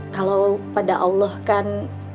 kalau pada allah kan